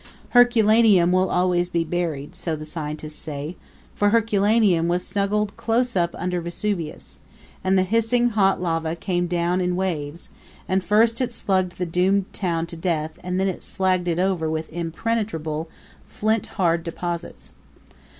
Herculaneum will always be buried, so the scientists say, for Herculaneum was snuggled close up under Vesuvius, and the hissing hot lava came down in waves; and first it slugged the doomed town to death and then slagged it over with impenetrable, flint hard deposits.